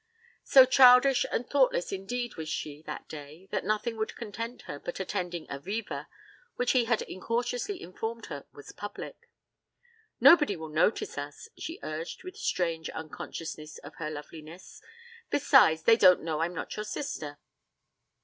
So childish and thoughtless indeed was she that day that nothing would content her but attending a 'Viva', which he had incautiously informed her was public. 'Nobody will notice us,' she urged with strange unconsciousness of her loveliness. 'Besides, they don't know I'm not your sister.'